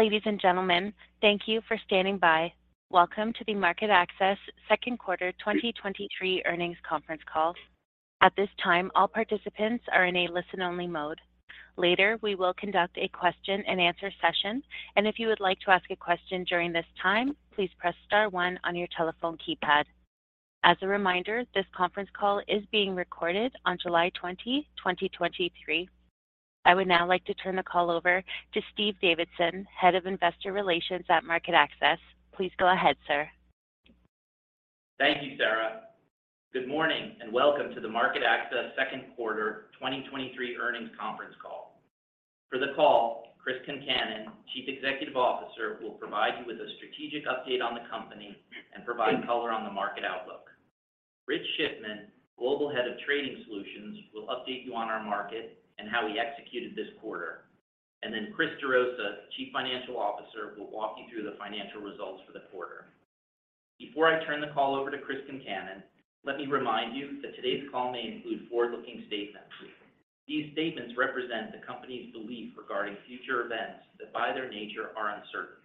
Ladies and gentlemen, thank you for standing by. Welcome to the MarketAxess Q2 2023 Earnings Conference Call. At this time, all participants are in a listen-only mode. Later, we will conduct a question-and-answer session, if you would like to ask a question during this time, please press star one on your telephone keypad. As a reminder, this conference call is being recorded on July 20, 2023. I would now like to turn the call over to Steve Davidson, Head of Investor Relations at MarketAxess. Please go ahead, sir. Thank you, Sarah. Welcome to the MarketAxess Q2 2023 Earnings Conference Call. For the call, Chris Concannon, Chief Executive Officer, will provide you with a strategic update on the company and provide color on the market outlook. Rich Schiffman, Global Head of Trading Solutions, will update you on our market and how we executed this quarter. Then Chris Gerosa, Chief Financial Officer, will walk you through the financial results for the quarter. Before I turn the call over to Chris Concannon, let me remind you that today's call may include forward-looking statements. These statements represent the company's belief regarding future events that, by their nature, are uncertain.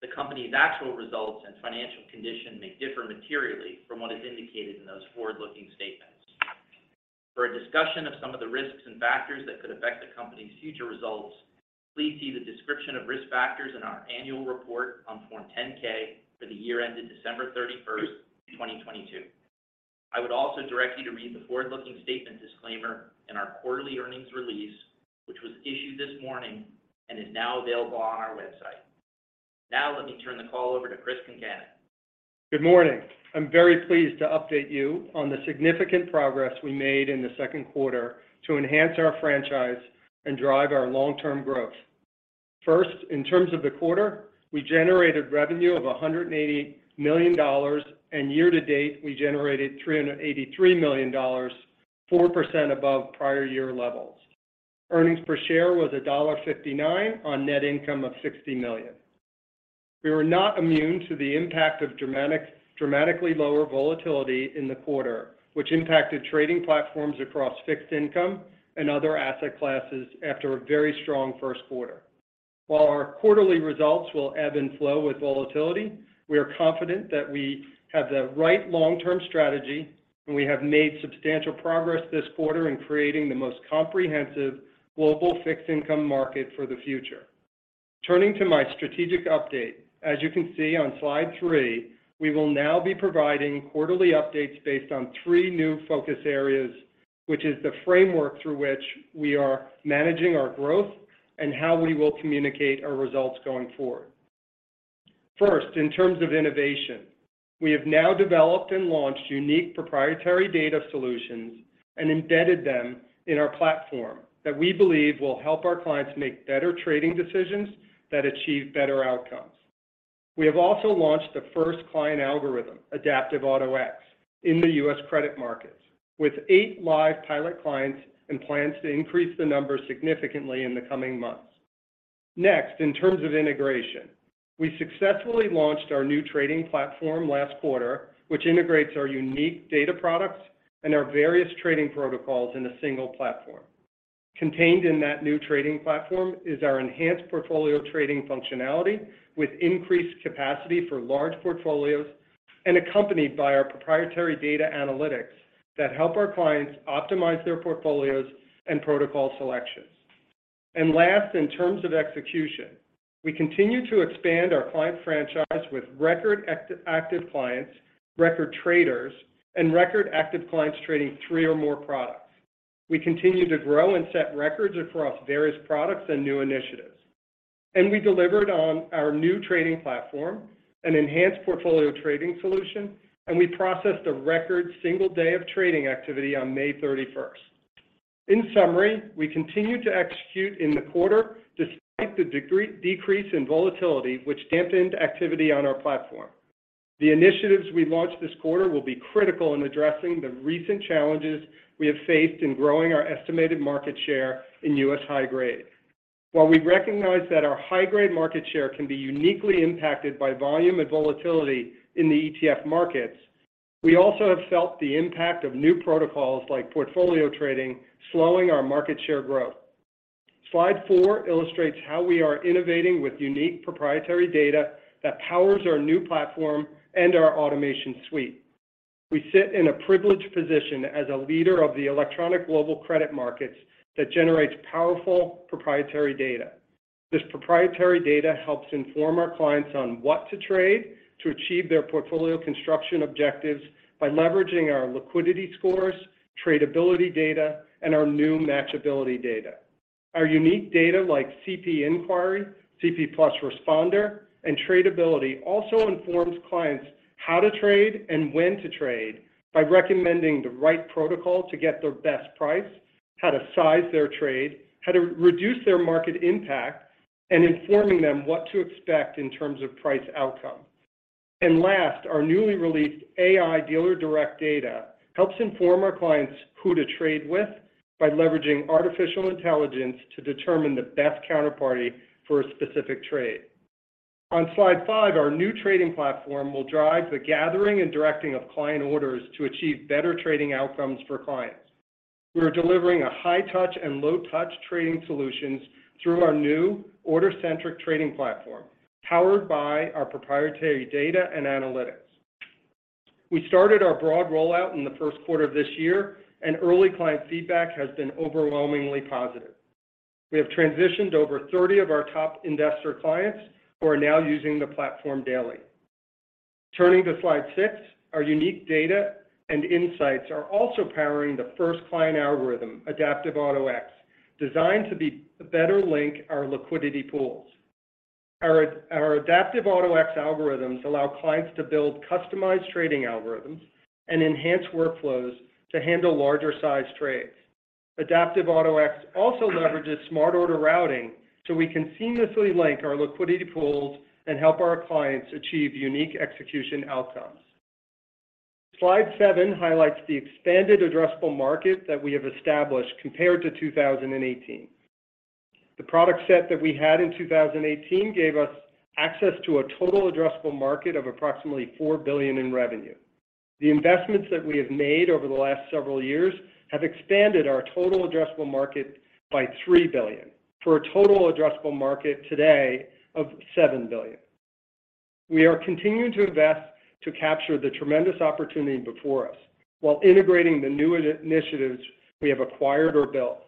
The company's actual results and financial condition may differ materially from what is indicated in those forward-looking statements. For a discussion of some of the risks and factors that could affect the company's future results, please see the description of risk factors in our annual report on Form 10-K for the year ended December 31st, 2022. I would also direct you to read the forward-looking statement disclaimer in our quarterly earnings release, which was issued this morning and is now available on our website. Let me turn the call over to Chris Concannon. Good morning. I'm very pleased to update you on the significant progress we made in the Q2 to enhance our franchise and drive our long-term growth. In terms of the quarter, we generated revenue of $180 million. Year to date, we generated $383 million, 4% above prior year levels. Earnings per share was $1.59 on net income of $60 million. We were not immune to the impact of dramatically lower volatility in the quarter, which impacted trading platforms across fixed income and other asset classes after a very strong Q1. While our quarterly results will ebb and flow with volatility, we are confident that we have the right long-term strategy. We have made substantial progress this quarter in creating the most comprehensive global fixed income market for the future. Turning to my strategic update, as you can see on Slide 3, we will now be providing quarterly updates based on three new focus areas, which is the framework through which we are managing our growth and how we will communicate our results going forward. In terms of innovation, we have now developed and launched unique proprietary data solutions and embedded them in our platform that we believe will help our clients make better trading decisions that achieve better outcomes. We have also launched the first client algorithm, Adaptive Auto-X, in the U.S. credit markets, with eight live pilot clients and plans to increase the number significantly in the coming months. In terms of integration, we successfully launched our new trading platform last quarter, which integrates our unique data products and our various trading protocols in a single platform. Contained in that new trading platform is our enhanced portfolio trading functionality, with increased capacity for large portfolios and accompanied by our proprietary data analytics that help our clients optimize their portfolios and protocol selections. Last, in terms of execution, we continue to expand our client franchise with record active clients, record traders, and record active clients trading three or more products. We continue to grow and set records across various products and new initiatives, and we delivered on our new trading platform, an enhanced portfolio trading solution, and we processed a record single day of trading activity on May 31st. In summary, we continued to execute in the quarter despite the decrease in volatility, which dampened activity on our platform. The initiatives we launched this quarter will be critical in addressing the recent challenges we have faced in growing our estimated market share in U.S. high grade. While we recognize that our high-grade market share can be uniquely impacted by volume and volatility in the ETF markets, we also have felt the impact of new protocols like portfolio trading, slowing our market share growth. Slide four illustrates how we are innovating with unique proprietary data that powers our new platform and our automation suite. We sit in a privileged position as a leader of the electronic global credit markets that generates powerful proprietary data. This proprietary data helps inform our clients on what to trade to achieve their portfolio construction objectives by leveraging our liquidity scores, Tradability data, and our new Matchability data. Our unique data, like CP Inquiry, CP+ Responder, and Tradability, also informs clients how to trade and when to trade by recommending the right protocol to get the best price, how to size their trade, how to reduce their market impact, and informing them what to expect in terms of price outcome. Last, our newly released AI Dealer Direct data helps inform our clients who to trade with by leveraging artificial intelligence to determine the best counterparty for a specific trade. On Slide 5, our new trading platform will drive the gathering and directing of client orders to achieve better trading outcomes for clients. We are delivering a high-touch and low-touch trading solutions through our new order-centric trading platform, powered by our proprietary data and analytics. We started our broad rollout in the Q1 of this year, and early client feedback has been overwhelmingly positive. We have transitioned over 30 of our top investor clients, who are now using the platform daily. Turning to Slide 6, our unique data and insights are also powering the first client algorithm, Adaptive Auto-X, designed to better link our liquidity pools. Our Adaptive Auto-X algorithms allow clients to build customized trading algorithms and enhance workflows to handle larger-sized trades. Adaptive Auto-X also leverages smart order routing, so we can seamlessly link our liquidity pools and help our clients achieve unique execution outcomes. Slide 7 highlights the expanded addressable market that we have established compared to 2018. The product set that we had in 2018 gave us access to a total addressable market of approximately $4 billion in revenue. The investments that we have made over the last several years have expanded our total addressable market by $3 billion, for a total addressable market today of $7 billion. We are continuing to invest to capture the tremendous opportunity before us, while integrating the new initiatives we have acquired or built.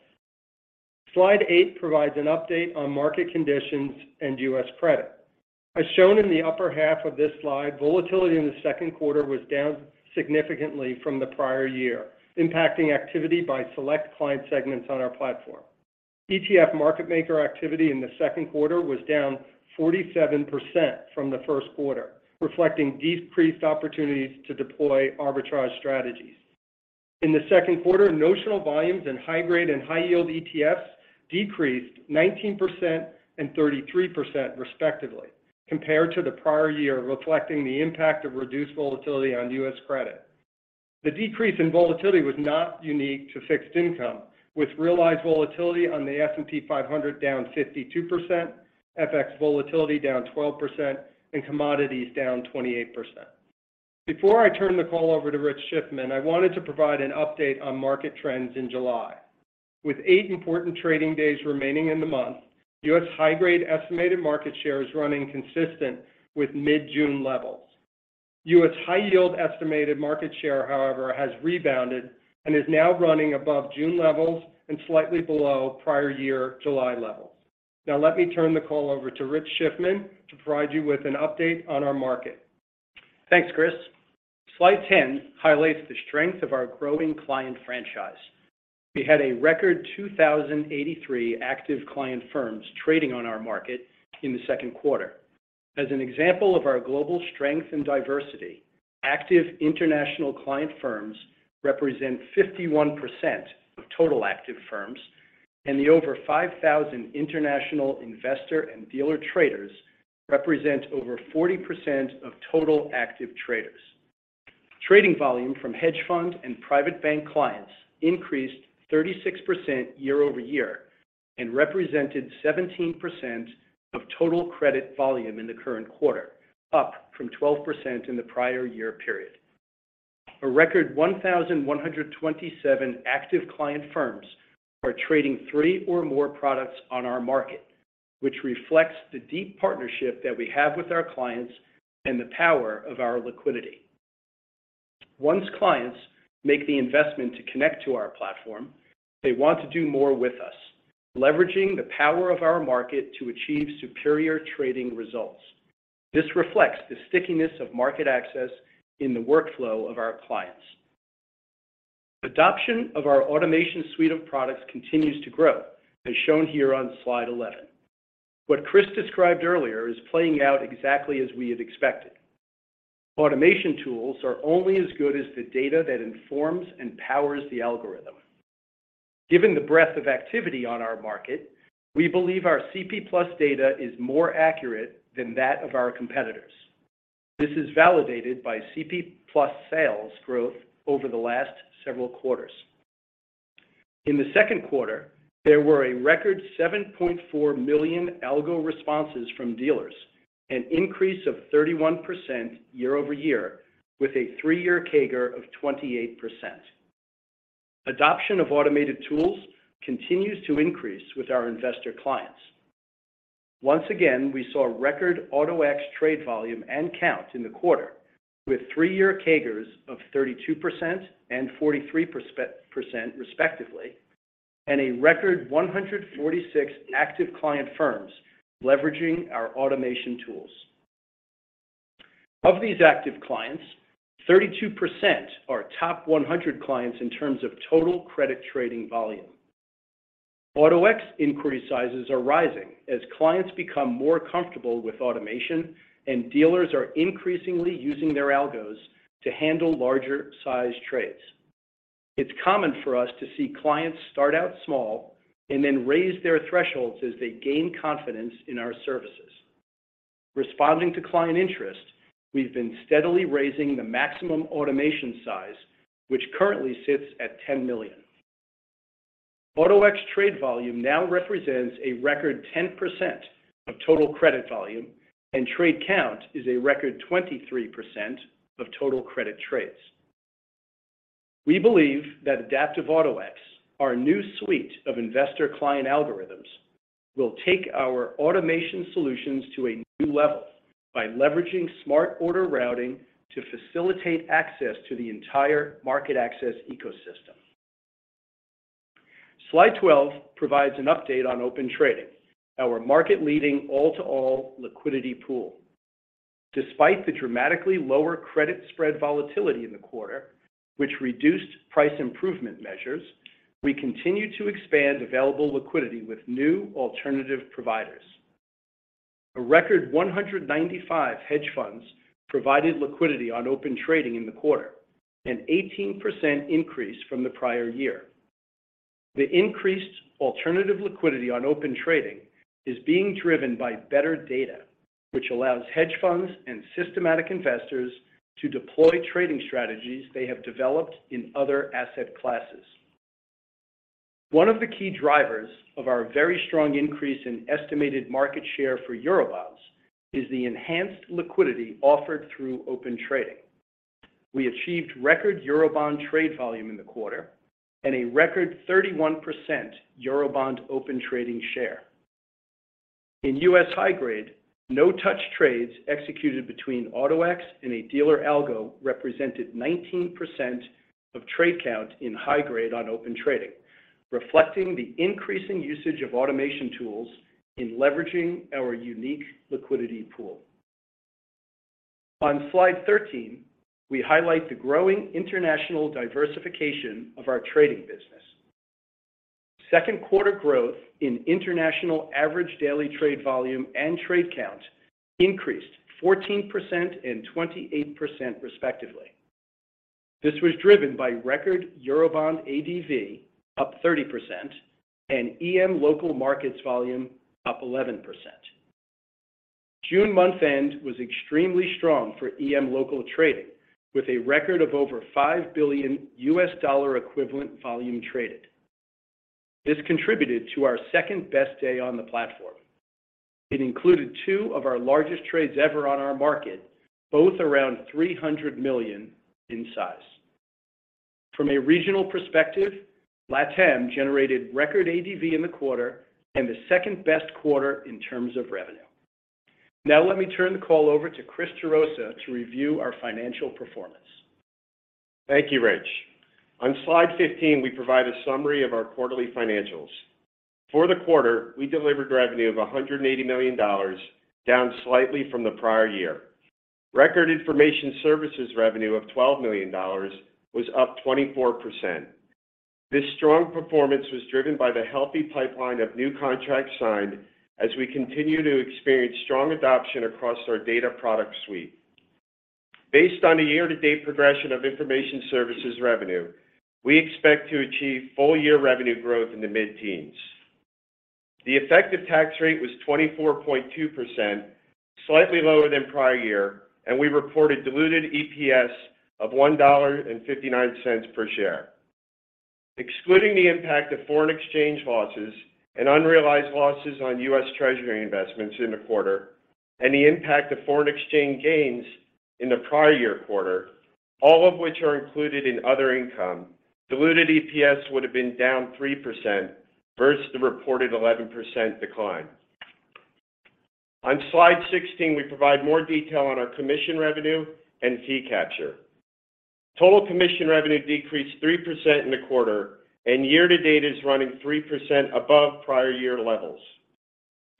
Slide 8 provides an update on market conditions and U.S. credit. As shown in the upper half of this slide, volatility in the Q2 was down significantly from the prior year, impacting activity by select client segments on our platform. ETF market maker activity in the Q2 was down 47% from the Q1, reflecting decreased opportunities to deploy arbitrage strategies. In the Q2, notional volumes in high-grade and high-yield ETFs decreased 19% and 33% respectively, compared to the prior year, reflecting the impact of reduced volatility on U.S. credit. The decrease in volatility was not unique to fixed income, with realized volatility on the S&P 500 down 52%, FX volatility down 12%, and commodities down 28%. Before I turn the call over to Rich Schiffman, I wanted to provide an update on market trends in July. With eight important trading days remaining in the month, U.S. high-grade estimated market share is running consistent with mid-June levels. U.S. high-yield estimated market share, however, has rebounded and is now running above June levels and slightly below prior year July levels. Let me turn the call over to Rich Schiffman to provide you with an update on our market. Thanks, Chris. Slide 10 highlights the strength of our growing client franchise. We had a record 2,083 active client firms trading on our market in the Q2. As an example of our global strength and diversity, active international client firms represent 51% of total active firms, and the over 5,000 international investor and dealer traders represent over 40% of total active traders. Trading volume from hedge fund and private bank clients increased 36% year-over-year and represented 17% of total credit volume in the current quarter, up from 12% in the prior year period. A record 1,127 active client firms are trading three or more products on our market, which reflects the deep partnership that we have with our clients and the power of our liquidity. Once clients make the investment to connect to our platform, they want to do more with us, leveraging the power of our market to achieve superior trading results. This reflects the stickiness of MarketAxess in the workflow of our clients. Adoption of our automation suite of products continues to grow, as shown here on Slide 11. What Chris described earlier is playing out exactly as we had expected. Automation tools are only as good as the data that informs and powers the algorithm. Given the breadth of activity on our market, we believe our CP+ data is more accurate than that of our competitors. This is validated by CP+ sales growth over the last several quarters. In the Q2, there were a record 7.4 million algo responses from dealers, an increase of 31% year-over-year, with a 3-year CAGR of 28%. Adoption of automated tools continues to increase with our investor clients. Once again, we saw record Auto-X trade volume and count in the quarter, with three-year CAGRs of 32% and 43%, respectively, and a record 146 active client firms leveraging our automation tools. Of these active clients, 32% are top 100 clients in terms of total credit trading volume. Auto-X inquiry sizes are rising as clients become more comfortable with automation, and dealers are increasingly using their algos to handle larger-sized trades. It's common for us to see clients start out small and then raise their thresholds as they gain confidence in our services. Responding to client interest, we've been steadily raising the maximum automation size, which currently sits at $10 million. Auto-X trade volume now represents a record 10% of total credit volume, and trade count is a record 23% of total credit trades. We believe that Adaptive Auto-X, our new suite of investor client algorithms, will take our automation solutions to a new level by leveraging smart order routing to facilitate access to the entire MarketAxess ecosystem. Slide 12 provides an update on Open Trading, our market-leading all-to-all liquidity pool. Despite the dramatically lower credit spread volatility in the quarter, which reduced price improvement measures, we continue to expand available liquidity with new alternative providers. A record 195 hedge funds provided liquidity on Open Trading in the quarter, an 18% increase from the prior year. The increased alternative liquidity on Open Trading is being driven by better data, which allows hedge funds and systematic investors to deploy trading strategies they have developed in other asset classes. One of the key drivers of our very strong increase in estimated market share for Eurobonds is the enhanced liquidity offered through Open Trading. We achieved record Eurobond trade volume in the quarter and a record 31% Eurobond Open Trading share. In U.S. high-grade, no-touch trades executed between Auto-X and a dealer algo represented 19% of trade count in high-grade on Open Trading, reflecting the increasing usage of automation tools in leveraging our unique liquidity pool. On Slide 13, we highlight the growing international diversification of our trading business. Q2 growth in international average daily trade volume and trade count increased 14% and 28%, respectively. This was driven by record Eurobond ADV, up 30%, and EM local markets volume, up 11%. June month-end was extremely strong for EM local trading, with a record of over $5 billion equivalent volume traded. This contributed to our second-best day on the platform. It included two of our largest trades ever on our market, both around $300 million in size. From a regional perspective, LATAM generated record ADV in the quarter and the second-best quarter in terms of revenue. Let me turn the call over to Chris Gerosa to review our financial performance. Thank you, Rich. On Slide 15, we provide a summary of our quarterly financials. For the quarter, we delivered revenue of $180 million, down slightly from the prior year. Record information services revenue of $12 million was up 24%. This strong performance was driven by the healthy pipeline of new contracts signed as we continue to experience strong adoption across our data product suite. Based on a year-to-date progression of information services revenue, we expect to achieve full-year revenue growth in the mid-teens. The effective tax rate was 24.2%, slightly lower than prior year. We reported diluted EPS of $1.59 per share. Excluding the impact of foreign exchange losses and unrealized losses on U.S. Treasury investments in the quarter and the impact of foreign exchange gains in the prior year quarter, all of which are included in other income, diluted EPS would have been down 3% versus the reported 11% decline. On Slide 16, we provide more detail on our commission revenue and fee capture. Total commission revenue decreased 3% in the quarter, and year to date is running 3% above prior year levels.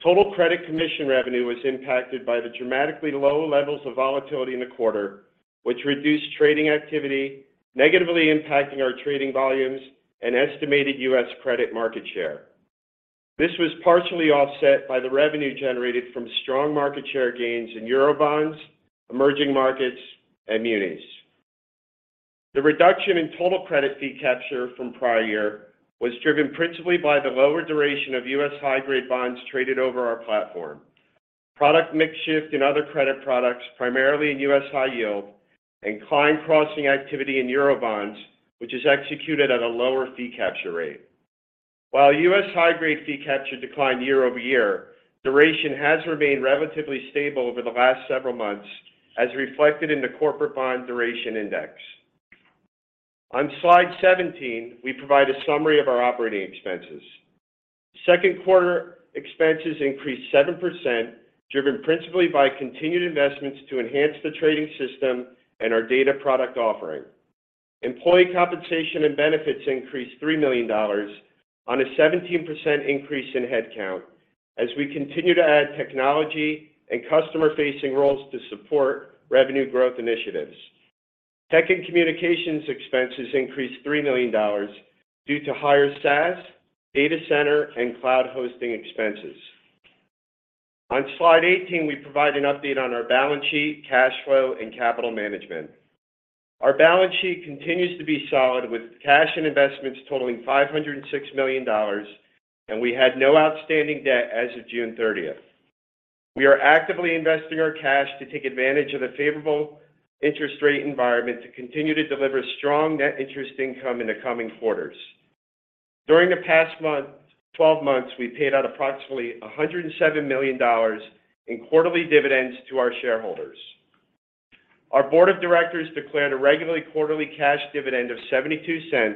Total credit commission revenue was impacted by the dramatically low levels of volatility in the quarter, which reduced trading activity, negatively impacting our trading volumes and estimated U.S. credit market share. This was partially offset by the revenue generated from strong market share gains in Eurobonds, emerging markets, and munis. The reduction in total credit fee capture from prior year was driven principally by the lower duration of US high-grade bonds traded over our platform. Product mix shift in other credit products, primarily in US high yield and client crossing activity in Eurobonds, which is executed at a lower fee capture rate. While U.S. high-grade fee capture declined year-over-year, duration has remained relatively stable over the last several months, as reflected in the corporate bond duration index. On Slide 17, we provide a summary of our operating expenses. Q2 expenses increased 7%, driven principally by continued investments to enhance the trading system and our data product offering. Employee compensation and benefits increased $3 million on a 17% increase in headcount, as we continue to add technology and customer-facing roles to support revenue growth initiatives. Tech and communications expenses increased $3 million due to higher SaaS, data center, and cloud hosting expenses. On Slide 18, we provide an update on our balance sheet, cash flow, and capital management. Our balance sheet continues to be solid, with cash and investments totaling $506 million, and we had no outstanding debt as of June 30th. We are actively investing our cash to take advantage of the favorable interest rate environment to continue to deliver strong net interest income in the coming quarters. During the past 12 months, we paid out approximately $107 million in quarterly dividends to our shareholders. Our board of directors declared a regularly quarterly cash dividend of $0.72,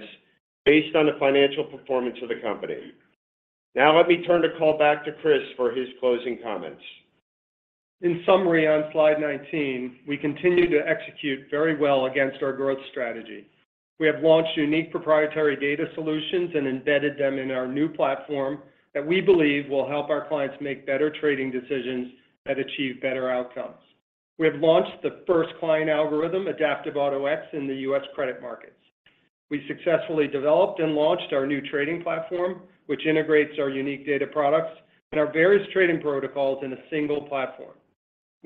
based on the financial performance of the company. Let me turn the call back to Chris for his closing comments. In summary, on Slide 19, we continue to execute very well against our growth strategy. We have launched unique proprietary data solutions and embedded them in our new platform, that we believe will help our clients make better trading decisions that achieve better outcomes. We have launched the first client algorithm, Adaptive Auto-X, in the U.S. credit markets. We successfully developed and launched our new trading platform, which integrates our unique data products and our various trading protocols in a single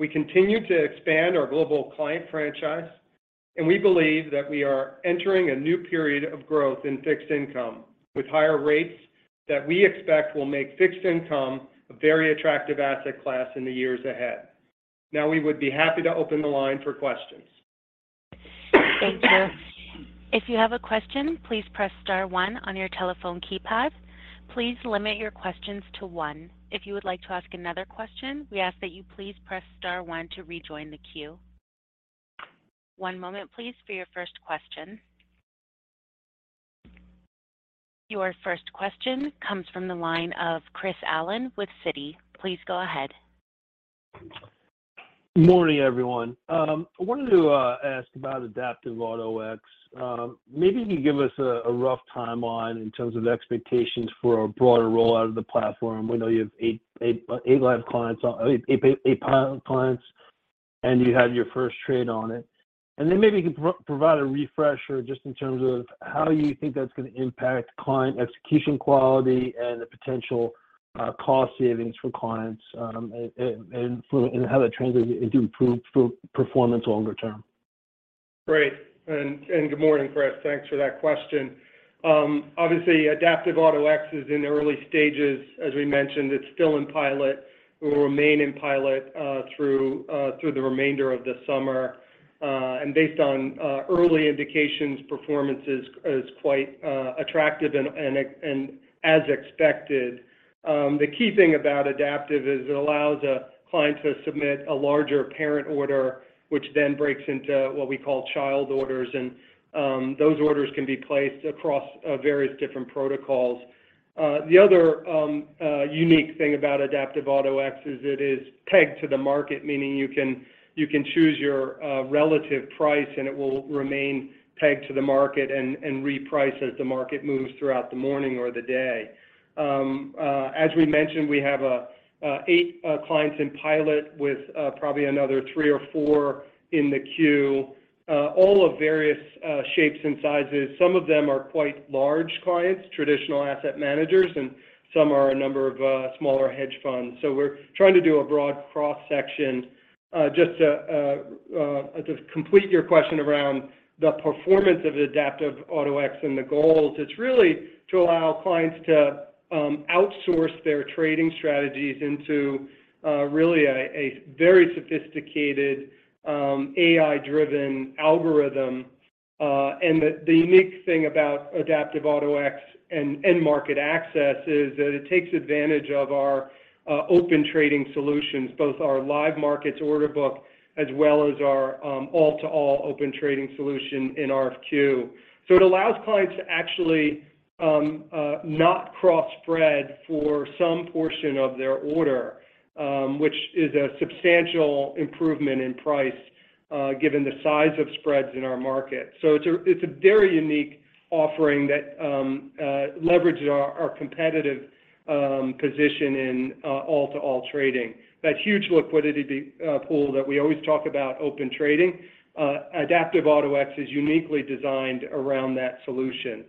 platform. We continue to expand our global client franchise, and we believe that we are entering a new period of growth in fixed income, with higher rates that we expect will make fixed income a very attractive asset class in the years ahead. We would be happy to open the line for questions. Thank you. If you have a question, please press star one on your telephone keypad. Please limit your questions to one. If you would like to ask another question, we ask that you please press star one to rejoin the queue. One moment, please, for your first question. Your first question comes from the line of Chris Allen with Citi. Please go ahead. Good morning, everyone. I wanted to ask about Adaptive Auto-X. Maybe you can give us a rough timeline in terms of expectations for a broader rollout of the platform. We know you have eight live clients, eight pilot clients, and you had your first trade on it. Then maybe you can provide a refresher, just in terms of how you think that's going to impact client execution quality and the potential cost savings for clients, and how that translates into improved performance longer term. Great. Good morning, Chris. Thanks for that question. Obviously, Adaptive Auto-X is in the early stages. As we mentioned, it's still in pilot, and will remain in pilot through the remainder of the summer. Based on early indications, performance is quite attractive and as expected. The key thing about Adaptive is it allows a client to submit a larger parent order, which then breaks into what we call child orders, those orders can be placed across various different protocols. The other unique thing about Adaptive Auto-X is it is pegged to the market, meaning you can choose your relative price, it will remain pegged to the market and reprice as the market moves throughout the morning or the day. As we mentioned, we have 8 clients in pilot with probably another 3 or 4 in the queue, all of various shapes and sizes. Some of them are quite large clients, traditional asset managers, and some are a number of smaller hedge funds. We're trying to do a broad cross-section. Just to complete your question around the performance of Adaptive Auto-X and the goals, it's really to allow clients to outsource their trading strategies into really a very sophisticated AI-driven algorithm. And the unique thing about Adaptive Auto-X and end MarketAxess is that it takes advantage of our Open Trading solutions, both our Live Markets order book, as well as our all-to-all Open Trading solution in RFQ. It allows clients to actually not cross-spread for some portion of their order, which is a substantial improvement in price, given the size of spreads in our market. It's a very unique offering that leverages our competitive position in all-to-all trading. That huge liquidity pool that we always talk about, Open Trading, Adaptive Auto-X is uniquely designed around that solution.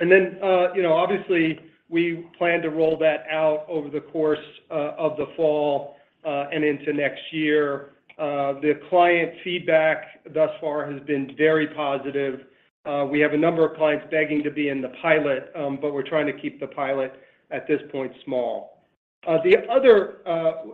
You know, obviously, we plan to roll that out over the course of the fall and into next year. The client feedback thus far has been very positive. We have a number of clients begging to be in the pilot, but we're trying to keep the pilot, at this point, small. The other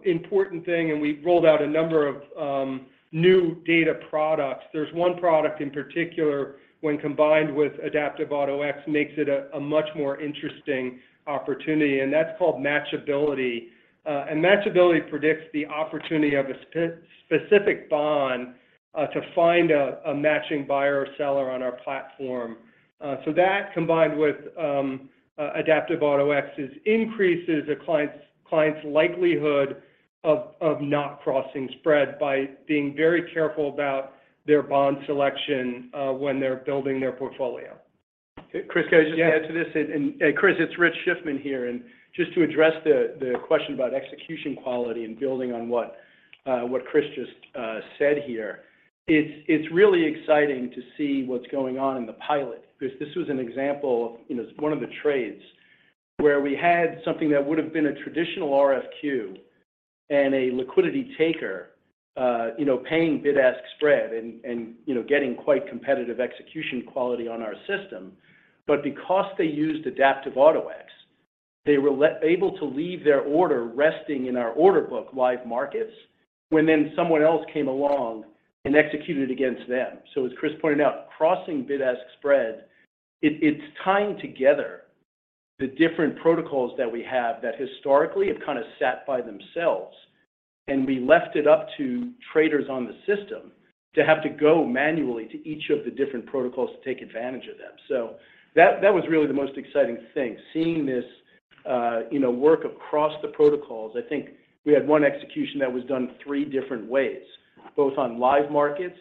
important thing. We've rolled out a number of new data products. There's one product in particular, when combined with Adaptive Auto-X, makes it a much more interesting opportunity. That's called Matchability. Matchability predicts the opportunity of a specific bond to find a matching buyer or seller on our platform. That, combined with Adaptive Auto-X's increases a client's likelihood of not crossing spread by being very careful about their bond selection when they're building their portfolio. Chris, can I just add to this? Yeah. Chris, it's Rich Schiffman here, and just to address the question about execution quality and building on what Chris just said here, it's really exciting to see what's going on in the pilot. This was an example of, you know, one of the trades where we had something that would have been a traditional RFQ and a liquidity taker. You know, paying bid-ask spread and, you know, getting quite competitive execution quality on our system. Because they used Adaptive Auto-X, they were able to leave their order resting in our order book, Live Markets, when then someone else came along and executed against them. As Chris pointed out, crossing bid-ask spread, it's tying together the different protocols that we have that historically have kind of sat by themselves, and we left it up to traders on the system to have to go manually to each of the different protocols to take advantage of them. That was really the most exciting thing, seeing this, you know, work across the protocols. I think we had one execution that was done three different ways, both on Live Markets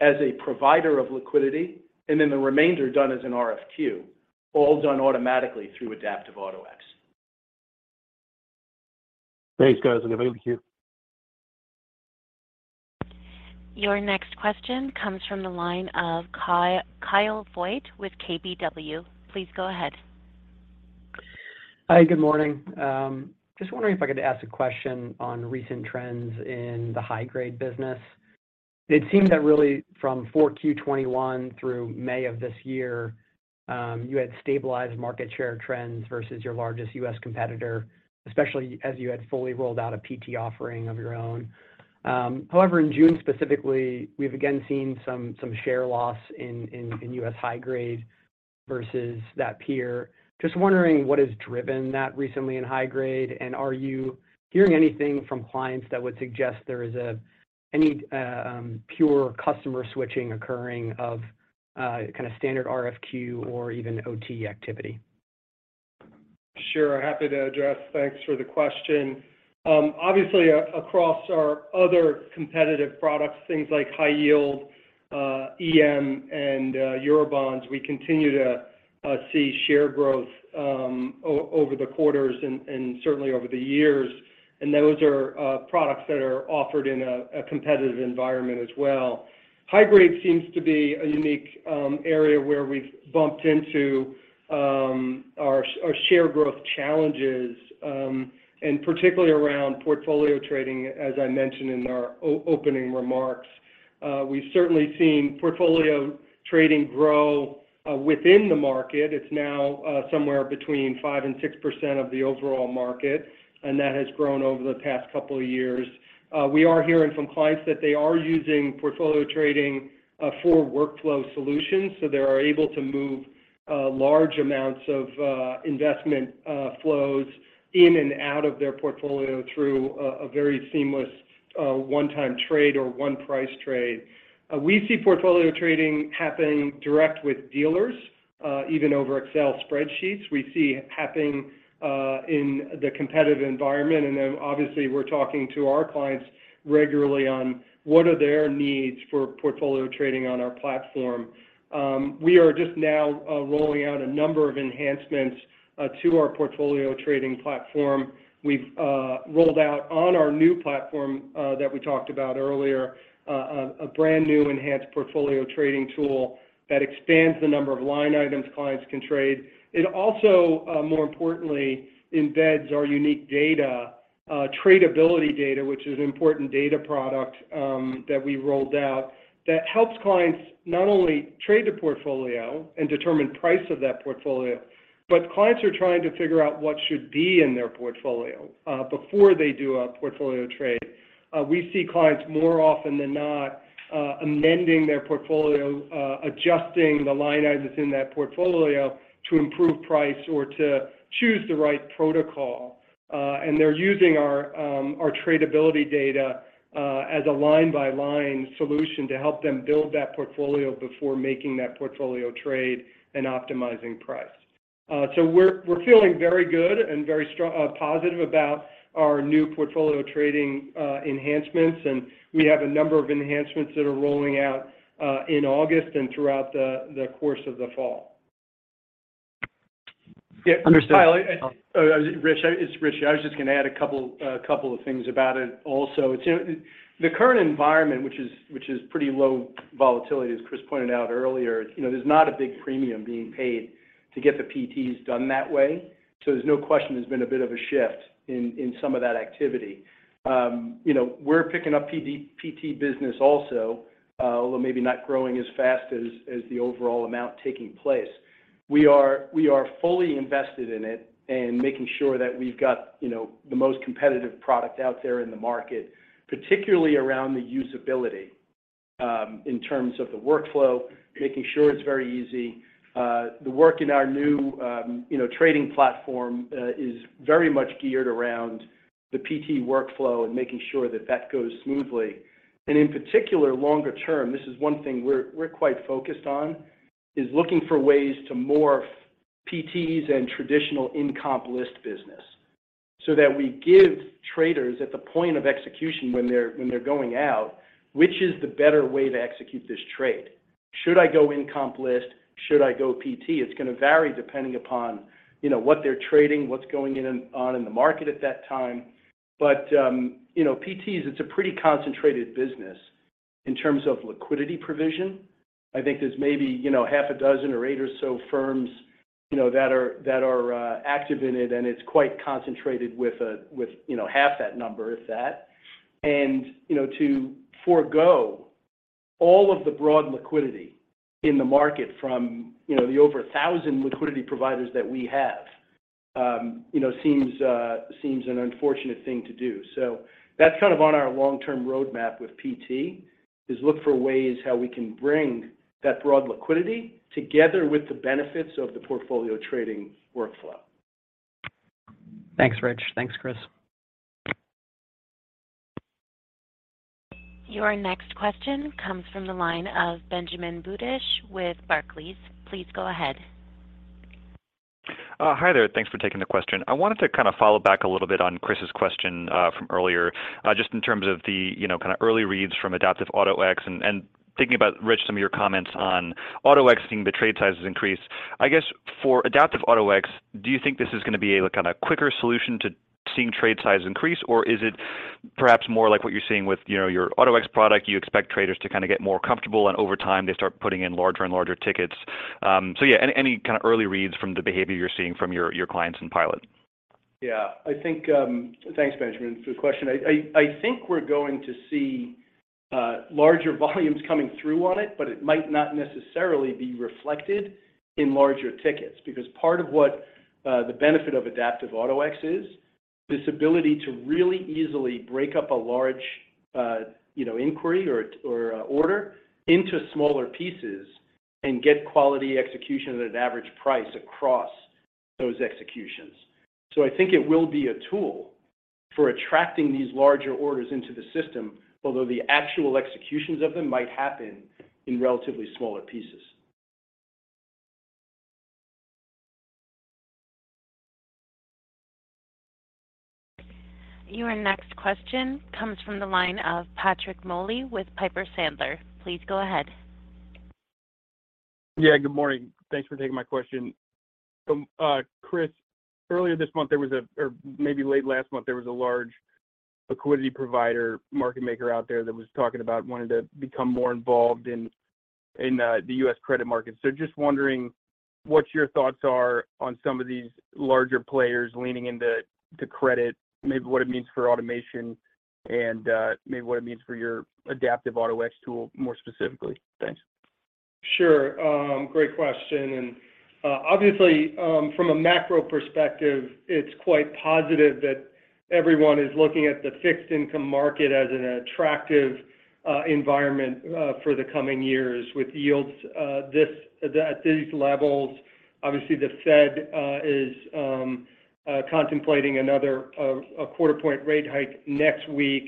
as a provider of liquidity, and then the remainder done as an RFQ, all done automatically through Adaptive Auto-X. Thanks, guys, and thank you. Your next question comes from the line of Kyle Voigt with KBW. Please go ahead. Hi, good morning. Just wondering if I could ask a question on recent trends in the high-grade business. It seemed that really from Q4 2021 through May of this year, you had stabilized market share trends versus your largest U.S. competitor, especially as you had fully rolled out a PT offering of your own. However, in June specifically, we've again seen some share loss in U.S. high grade versus that peer. Just wondering what has driven that recently in high grade, and are you hearing anything from clients that would suggest there is any pure customer switching occurring of kind of standard RFQ or even OT activity? Sure. Happy to address. Thanks for the question. Obviously, across our other competitive products, things like high yield, EM, and Eurobond, we continue to see share growth over the quarters and certainly over the years. Those are products that are offered in a competitive environment as well. High grade seems to be a unique area where we've bumped into our share growth challenges, particularly around portfolio trading, as I mentioned in our opening remarks. We've certainly seen portfolio trading grow within the market. It's now somewhere between 5% and 6% of the overall market, that has grown over the past couple of years. We are hearing from clients that they are using portfolio trading for workflow solutions. They are able to move large amounts of investment flows in and out of their portfolio through a very seamless one-time trade or one-price trade. We see portfolio trading happening direct with dealers even over Excel spreadsheets. We see it happening in the competitive environment. Obviously, we're talking to our clients regularly on what are their needs for portfolio trading on our platform. We are just now rolling out a number of enhancements to our portfolio trading platform. We've rolled out on our new platform that we talked about earlier, a brand-new enhanced portfolio trading tool that expands the number of line items clients can trade. It also, more importantly, embeds our unique data, Tradability data, which is an important data product that we rolled out, that helps clients not only trade the portfolio and determine price of that portfolio, but clients are trying to figure out what should be in their portfolio before they do a portfolio trade. We see clients more often than not, amending their portfolio, adjusting the line items in that portfolio to improve price or to choose the right protocol. They're using our Tradability data as a line-by-line solution to help them build that portfolio before making that portfolio trade and optimizing price. We're feeling very good and very positive about our new portfolio trading enhancements. We have a number of enhancements that are rolling out in August and throughout the course of the fall. Yeah. Understood. Kyle, Rich. I was just going to add a couple of things about it also. You know, the current environment, which is pretty low volatility, as Chris pointed out earlier, you know, there's not a big premium being paid to get the PTs done that way. There's no question there's been a bit of a shift in some of that activity. You know, we're picking up PT business also, although maybe not growing as fast as the overall amount taking place. We are fully invested in it and making sure that we've got, you know, the most competitive product out there in the market, particularly around the usability, in terms of the workflow, making sure it's very easy. The work in our new, you know, trading platform is very much geared around the PT workflow and making sure that that goes smoothly. In particular, longer term, this is one thing we're quite focused on, is looking for ways to morph PTs and traditional in-comp list business, so that we give traders at the point of execution when they're going out, which is the better way to execute this trade? Should I go in-comp list? Should I go PT? It's going to vary depending upon, you know, what they're trading, what's going on in the market at that time. You know, PTs, it's a pretty concentrated business. in terms of liquidity provision, I think there's maybe, you know, half a dozen or eight or so firms, you know, that are active in it, and it's quite concentrated with, you know, half that number, if that. You know, to forego all of the broad liquidity in the market from, you know, the over 1,000 liquidity providers that we have, you know, seems an unfortunate thing to do. That's kind of on our long-term roadmap with PT, is look for ways how we can bring that broad liquidity together with the benefits of the portfolio trading workflow. Thanks, Rich. Thanks, Chris. Your next question comes from the line of Benjamin Budish with Barclays. Please go ahead. Hi there. Thanks for taking the question. I wanted to kind of follow back a little bit on Chris's question from earlier, just in terms of the, you know, kind of early reads from Adaptive Auto-X. Thinking about, Rich, some of your comments on Auto-X seeing the trade sizes increase. I guess, for Adaptive Auto-X, do you think this is going to be a, like, kind of quicker solution to seeing trade size increase, or is it perhaps more like what you're seeing with, you know, your Auto-X product, you expect traders to kind of get more comfortable, and over time they start putting in larger and larger tickets? Yeah, any kind of early reads from the behavior you're seeing from your clients in pilot? Yeah. I think, Thanks, Benjamin, for the question. I think we're going to see larger volumes coming through on it, but it might not necessarily be reflected in larger tickets. Part of what the benefit of Adaptive Auto-X is, this ability to really easily break up a large, you know, inquiry or order into smaller pieces and get quality execution at an average price across those executions. I think it will be a tool for attracting these larger orders into the system, although the actual executions of them might happen in relatively smaller pieces. Your next question comes from the line of Patrick Moley with Piper Sandler. Please go ahead. Yeah, good morning. Thanks for taking my question. Chris, earlier this month, or maybe late last month, there was a large liquidity provider, market maker out there that was talking about wanting to become more involved in the U.S. credit market. Just wondering what your thoughts are on some of these larger players leaning into credit, maybe what it means for automation, and maybe what it means for your Adaptive Auto-X tool, more specifically. Thanks. Sure, great question. Obviously, from a macro perspective, it's quite positive that everyone is looking at the fixed income market as an attractive environment for the coming years, with yields at these levels. Obviously, the Fed is contemplating another quarter-point rate hike next week.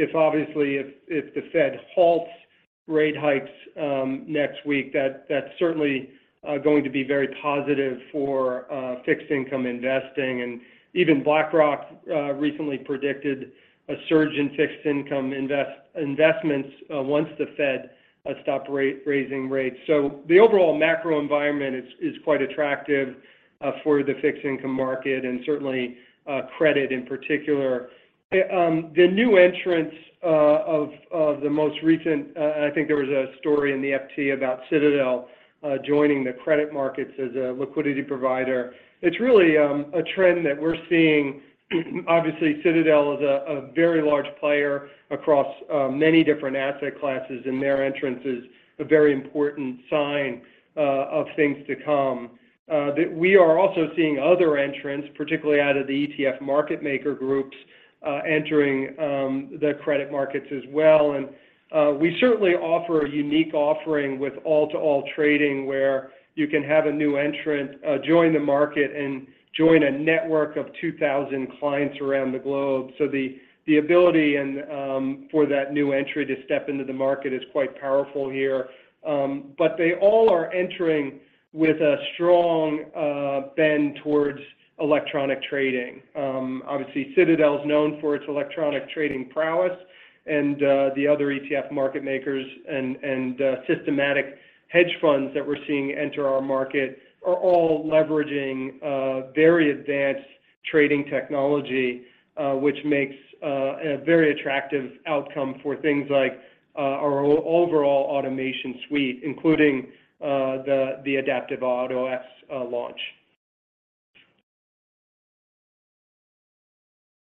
If obviously, if the Fed halts rate hikes next week, that's certainly going to be very positive for fixed income investing. Even BlackRock recently predicted a surge in fixed income investments once the Fed stop raising rates. The overall macro environment is quite attractive for the fixed income market and certainly credit in particular. The new entrants of the most recent... I think there was a story in the FT about Citadel joining the credit markets as a liquidity provider. It's really a trend that we're seeing. Obviously, Citadel is a very large player across many different asset classes, and their entrance is a very important sign of things to come. We are also seeing other entrants, particularly out of the ETF market maker groups entering the credit markets as well. We certainly offer a unique offering with all-to-all trading, where you can have a new entrant join the market and join a network of 2,000 clients around the globe. The ability and for that new entry to step into the market is quite powerful here. They all are entering with a strong bend towards electronic trading. Obviously, Citadel is known for its electronic trading prowess, and the other ETF market makers and systematic hedge funds that we're seeing enter our market are all leveraging very advanced trading technology, which makes a very attractive outcome for things like our overall automation suite, including the Adaptive Auto-X launch.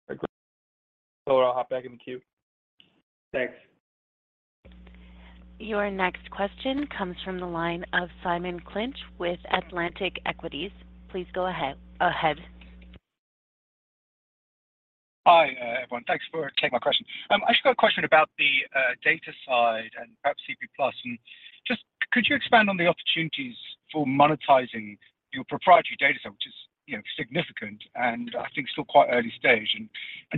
Great. I'll hop back in the queue. Thanks. Your next question comes from the line of Simon Clinch with Atlantic Equities. Please go ahead. Hi, everyone. Thanks for taking my question. I just got a question about the data side and perhaps CP+. Could you expand on the opportunities for monetizing your proprietary data set, which is, you know, significant, and I think still quite early stage?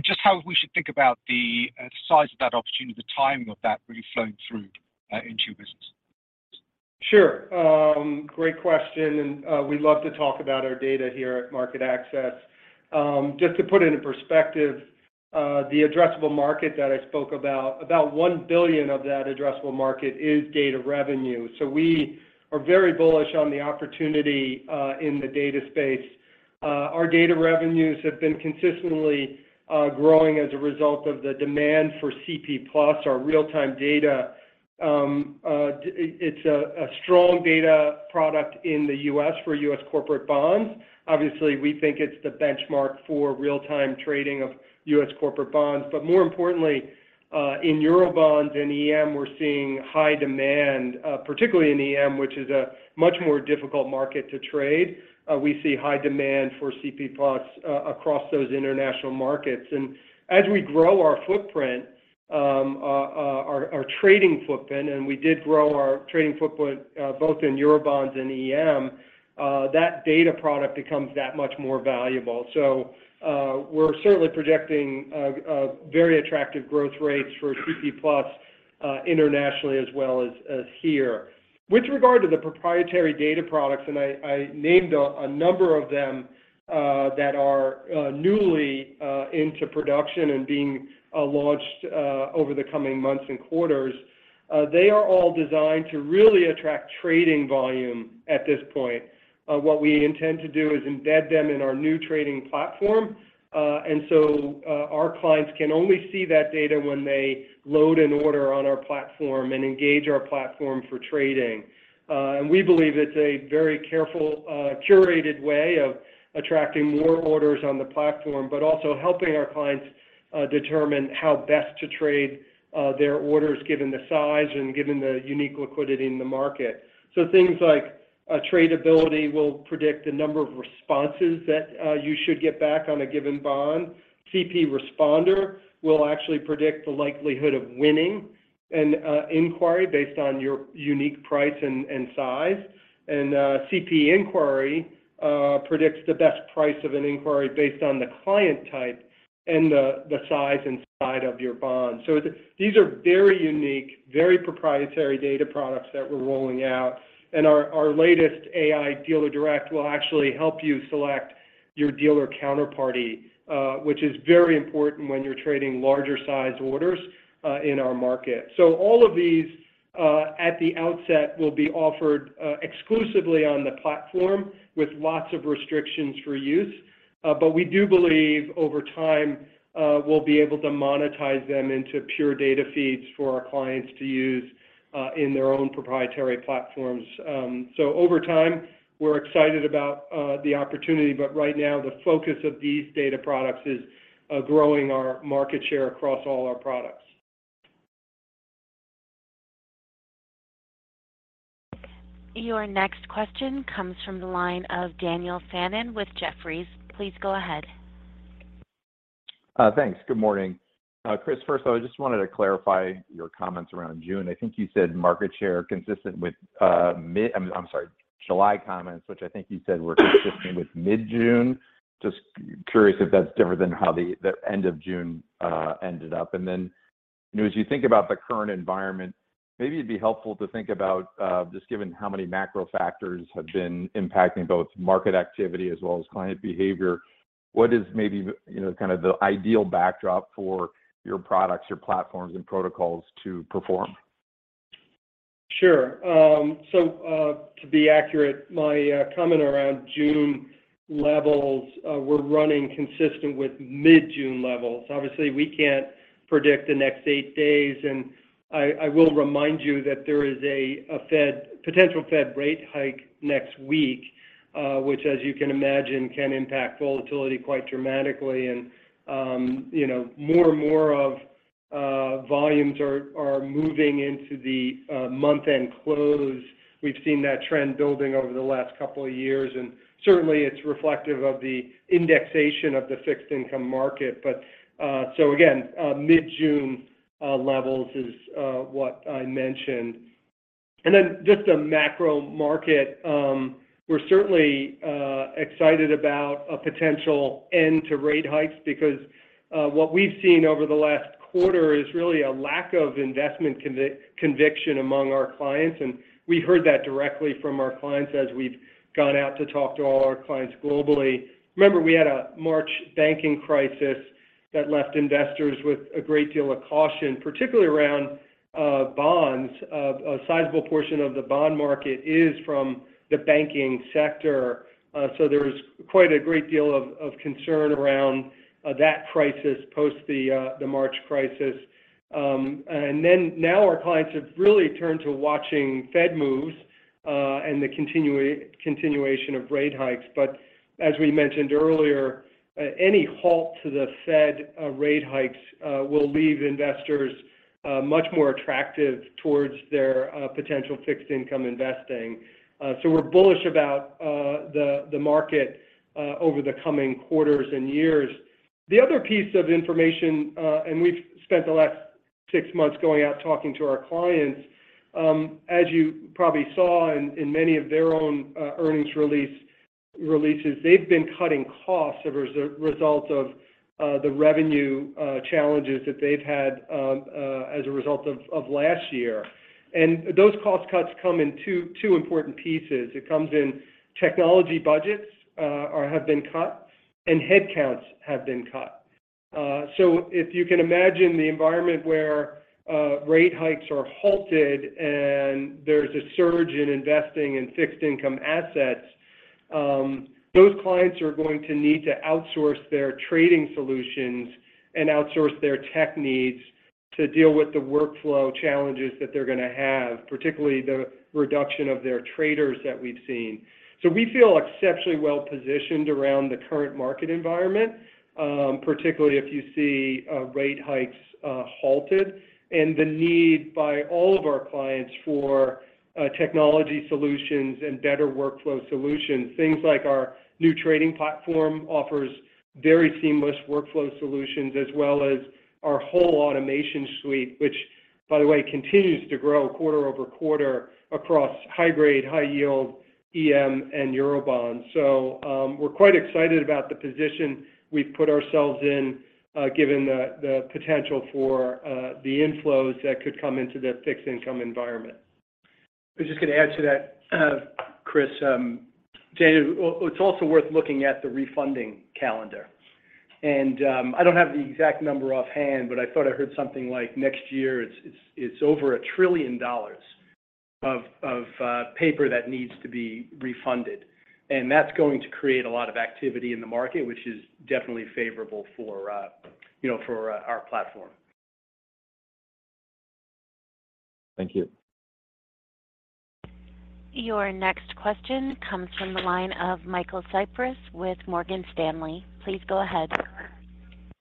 Just how we should think about the size of that opportunity, the timing of that really flowing through into your business. Sure, great question, and we love to talk about our data here at MarketAxess. Just to put it in perspective, the addressable market that I spoke about $1 billion of that addressable market is data revenue. We are very bullish on the opportunity in the data space. Our data revenues have been consistently growing as a result of the demand for CP+, our real-time data. It's a strong data product in the U.S. for U.S. corporate bonds. Obviously, we think it's the benchmark for real-time trading of U.S. corporate bonds. More importantly, in Eurobonds and EM, we're seeing high demand, particularly in EM, which is a much more difficult market to trade. We see high demand for CP+ across those international markets. As we grow our footprint, our trading footprint, and we did grow our trading footprint, both in Eurobonds and EM, that data product becomes that much more valuable. We're certainly projecting a very attractive growth rates for CP+, internationally, as well as here. With regard to the proprietary data products, and I named a number of them that are newly into production and being launched over the coming months and quarters, they are all designed to really attract trading volume at this point. What we intend to do is embed them in our new trading platform, our clients can only see that data when they load an order on our platform and engage our platform for trading. We believe it's a very careful, curated way of attracting more orders on the platform, but also helping our clients determine how best to trade their orders, given the size and given the unique liquidity in the market. Things like Tradability will predict the number of responses that you should get back on a given bond. CP Responder will actually predict the likelihood of winning an inquiry based on your unique price and size. CP Inquiry predicts the best price of an inquiry based on the client type and the size and side of your bond. These are very unique, very proprietary data products that we're rolling out, and our latest AI, Dealer Direct, will actually help you select your dealer counterparty, which is very important when you're trading larger-sized orders in our market. All of these, at the outset, will be offered exclusively on the platform with lots of restrictions for use. But we do believe over time, we'll be able to monetize them into pure data feeds for our clients to use in their own proprietary platforms. Over time, we're excited about the opportunity, but right now, the focus of these data products is growing our market share across all our products. Your next question comes from the line of Daniel Fannon with Jefferies. Please go ahead. Thanks. Good morning. Chris, first of all, I just wanted to clarify your comments around June. I think you said market share, consistent with July comments, which I think you said consistent with mid-June. Just curious if that's different than how the end of June ended up? Then, you know, as you think about the current environment, maybe it'd be helpful to think about just given how many macro factors have been impacting both market activity as well as client behavior, what is maybe, you know, kind of the ideal backdrop for your products, your platforms, and protocols to perform? Sure. to be accurate, my comment around June levels were running consistent with mid-June levels. Obviously, we can't predict the next 8 days. I will remind you that there is a potential Fed rate hike next week, which, as you can imagine, can impact volatility quite dramatically. you know, more and more of volumes are moving into the month-end close. We've seen that trend building over the last couple of years, certainly, it's reflective of the indexation of the fixed income market. again, mid-June levels is what I mentioned. Just the macro market, we're certainly excited about a potential end to rate hikes because what we've seen over the last quarter is really a lack of investment conviction among our clients, and we heard that directly from our clients as we've gone out to talk to all our clients globally. Remember, we had a March banking crisis that left investors with a great deal of caution, particularly around bonds. A sizable portion of the bond market is from the banking sector, so there's quite a great deal of concern around that crisis post the March crisis. Now our clients have really turned to watching Fed moves and the continuation of rate hikes. As we mentioned earlier, any halt to the Fed rate hikes will leave investors much more attractive towards their potential fixed income investing. We're bullish about the market over the coming quarters and years. The other piece of information, and we've spent the last six months going out talking to our clients, as you probably saw in many of their own earnings releases, they've been cutting costs as a result of the revenue challenges that they've had as a result of last year. Those cost cuts come in two important pieces. It comes in technology budgets or have been cut, and headcounts have been cut. If you can imagine the environment where rate hikes are halted and-... there's a surge in investing in fixed income assets, those clients are going to need to outsource their trading solutions and outsource their tech needs to deal with the workflow challenges that they're gonna have, particularly the reduction of their traders that we've seen. We feel exceptionally well-positioned around the current market environment, particularly if you see rate hikes halted, and the need by all of our clients for technology solutions and better workflow solutions. Things like our new trading platform offers very seamless workflow solutions, as well as our whole automation suite, which, by the way, continues to grow quarter-over-quarter across high grade, high yield, EM, and Eurobonds. We're quite excited about the position we've put ourselves in, given the potential for the inflows that could come into the fixed income environment. I was just gonna add to that, Chris, Daniel. It's also worth looking at the refunding calendar. I don't have the exact number offhand, but I thought I heard something like next year, it's over $1 trillion of paper that needs to be refunded, and that's going to create a lot of activity in the market, which is definitely favorable for, you know, for our platform. Thank you. Your next question comes from the line of Michael Cyprys with Morgan Stanley. Please go ahead.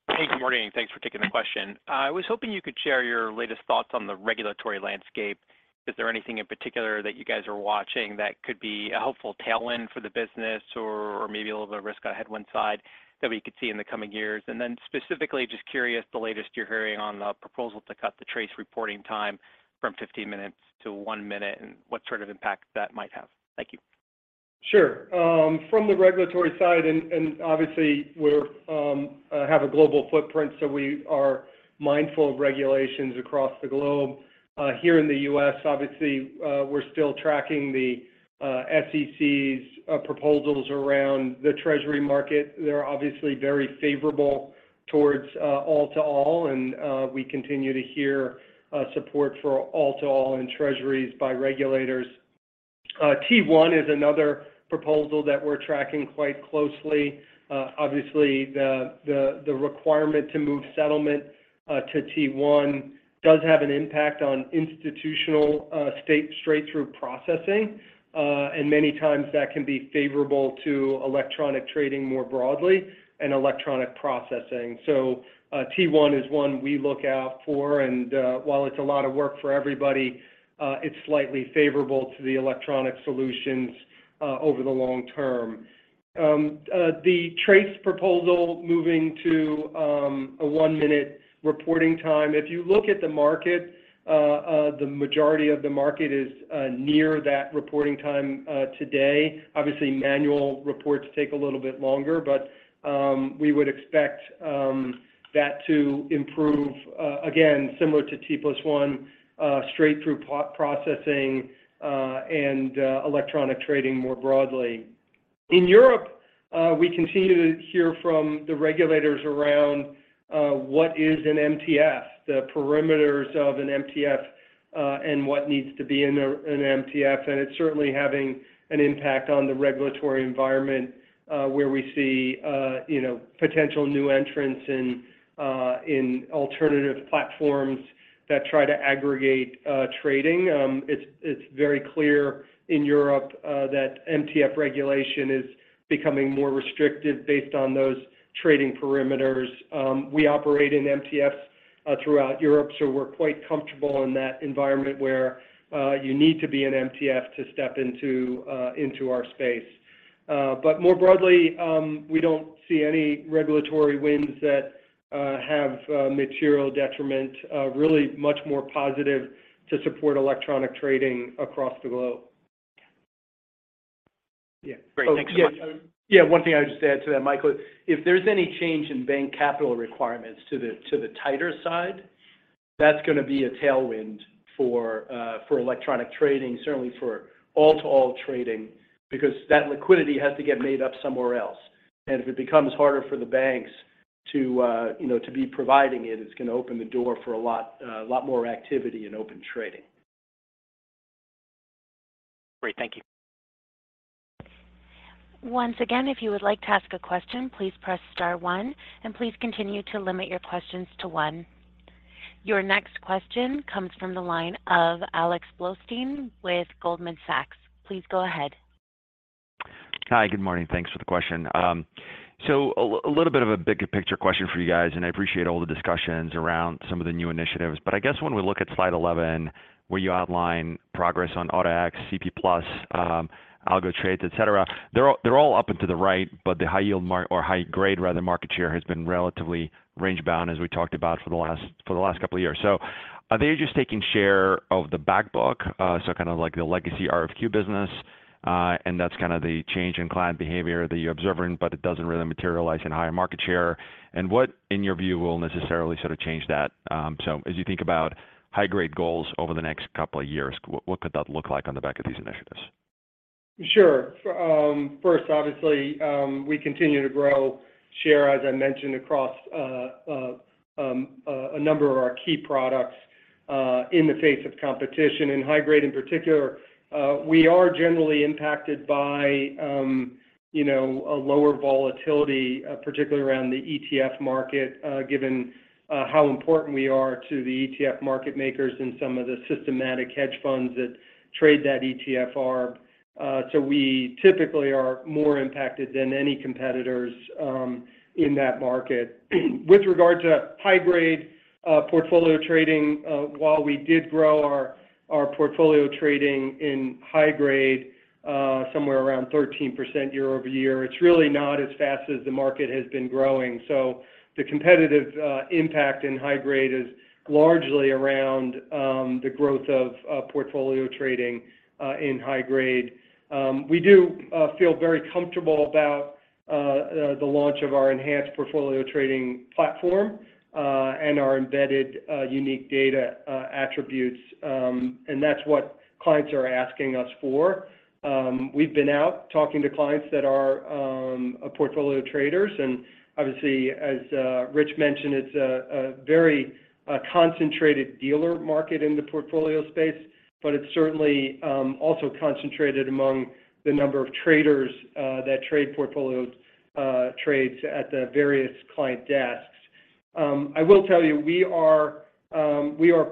Hey, good morning, thanks for taking the question. I was hoping you could share your latest thoughts on the regulatory landscape. Is there anything in particular that you guys are watching that could be a helpful tailwind for the business, or maybe a little bit of risk on a headwind side that we could see in the coming years? Specifically, just curious, the latest you're hearing on the proposal to cut the TRACE reporting time from 15 minutes to one minute, and what sort of impact that might have? Thank you. Sure. From the regulatory side, and obviously, we're have a global footprint, so we are mindful of regulations across the globe. Here in the U.S., obviously, we're still tracking the SEC's proposals around the treasury market. They're obviously very favorable towards all-to-all, and we continue to hear support for all-to-all in treasuries by regulators. T1 is another proposal that we're tracking quite closely. Obviously, the requirement to move settlement to T1 does have an impact on institutional straight-through processing. Many times, that can be favorable to electronic trading more broadly, and electronic processing. T1 is one we look out for, and while it's a lot of work for everybody, it's slightly favorable to the electronic solutions over the long term. The TRACE proposal, moving to a 1-minute reporting time. If you look at the market, the majority of the market is near that reporting time today. Obviously, manual reports take a little bit longer, but we would expect that to improve again, similar to T+1, straight through processing, and electronic trading more broadly. In Europe, we continue to hear from the regulators around what is an MTF, the perimeters of an MTF, and what needs to be in an MTF, and it's certainly having an impact on the regulatory environment, where we see, you know, potential new entrants in alternative platforms that try to aggregate trading. It's very clear in Europe that MTF regulation is becoming more restricted based on those trading perimeters. We operate in MTFs throughout Europe, we're quite comfortable in that environment where you need to be an MTF to step into into our space. More broadly, we don't see any regulatory winds that have material detriment, really much more positive to support electronic trading across the globe. Yeah. Great. Thanks so much. Yeah, one thing I would just add to that, Michael, if there's any change in bank capital requirements to the tighter side, that's gonna be a tailwind for electronic trading, certainly for all-to-all trading, because that liquidity has to get made up somewhere else. If it becomes harder for the banks to, you know, to be providing it's gonna open the door for a lot, a lot more activity in Open Trading. Great. Thank you. Once again, if you would like to ask a question, please press star one, and please continue to limit your questions to one. Your next question comes from the line of Alex Blostein with Goldman Sachs. Please go ahead. Hi, good morning. Thanks for the question. A little bit of a bigger picture question for you guys, and I appreciate all the discussions around some of the new initiatives. I guess when we look at slide 11, where you outline progress on Auto-X, CP+, Algo Trades, etc., they're all up and to the right, but the high yield market or high grade, rather, market share has been relatively range-bound, as we talked about for the last couple of years. Are they just taking share of the backbook? Kind of like the legacy RFQ business, and that's kind of the change in client behavior that you're observing, but it doesn't really materialize in higher market share. What, in your view, will necessarily sort of change that, so as you think about high-grade goals over the next couple of years, what could that look like on the back of these initiatives? Sure. First, obviously, we continue to grow share, as I mentioned, across a number of our key products in the face of competition. In high grade in particular, we are generally impacted by, you know, a lower volatility, particularly around the ETF market, given how important we are to the ETF market makers and some of the systematic hedge funds that trade that ETF are. We typically are more impacted than any competitors in that market. With regards to high-grade portfolio trading, while we did grow our portfolio trading in high grade, somewhere around 13% year-over-year, it's really not as fast as the market has been growing. The competitive impact in high grade is largely around the growth of portfolio trading in high grade. We do feel very comfortable about the launch of our enhanced portfolio trading platform, and our embedded unique data attributes. That's what clients are asking us for. We've been out talking to clients that are portfolio traders. Obviously, as Rich mentioned, it's a very concentrated dealer market in the portfolio space, but it's certainly also concentrated among the number of traders that trade portfolio trades at the various client desks. I will tell you, we are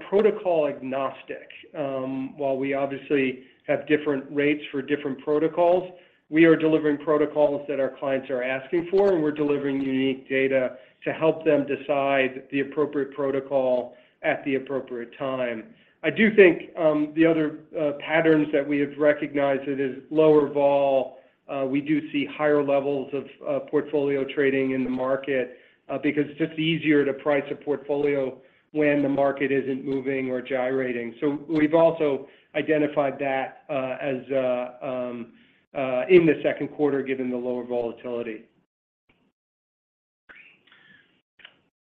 protocol agnostic. While we obviously have different rates for different protocols, we are delivering protocols that our clients are asking for, and we're delivering unique data to help them decide the appropriate protocol at the appropriate time. I do think, the other patterns that we have recognized it is lower vol. We do see higher levels of portfolio trading in the market because it's just easier to price a portfolio when the market isn't moving or gyrating. We've also identified that as in the Q2, given the lower volatility.